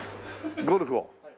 ゴルフを？